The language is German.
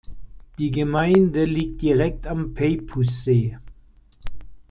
Die Gemeinde liegt direkt am Peipus-See.